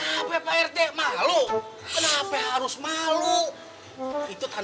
ya bener kan kayak cukup